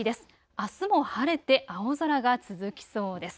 あすも晴れて青空が続きそうです。